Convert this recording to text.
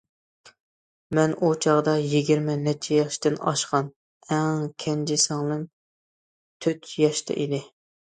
مەن ئۇ چاغدا يىگىرمە نەچچە ياشتىن ئاشقان، ئەڭ كەنجى سىڭلىم تۆت ياشتا ئىدى.